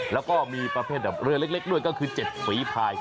แล้วก็มีประเภทแบบเรือเล็กด้วยก็คือ๗ฝีภาย